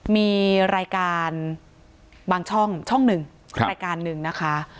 มีรายการบางช่องช่องหนึ่งรายการหนึ่งนะคะ